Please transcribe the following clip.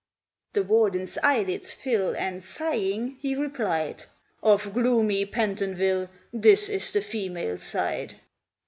The warden's eyelids fill, And, sighing, he replied, "Of gloomy Pentonville This is the Female Side!"